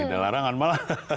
tidak ada larangan malah